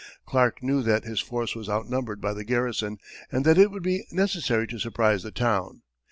Clark knew that his force was outnumbered by the garrison and that it would be necessary to surprise the town.